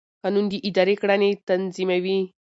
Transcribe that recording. قانون د ادارې کړنې تنظیموي.